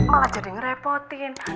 malah jadi ngerepotin